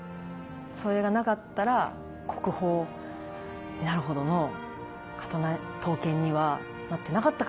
それがなかったら国宝になるほどの刀剣にはなってなかったかもしれない。